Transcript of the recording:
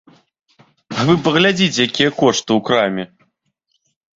А вы паглядзіце, якія кошты ў краме!